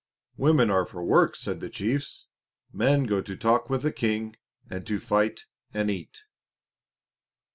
"Women are for work," said the chiefs. "Men go to talk with the King, and to fight and eat."